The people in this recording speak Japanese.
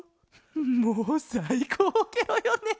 もうさいこうケロよね。